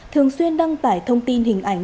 thường xuyên đăng tải thông tin hình ảnh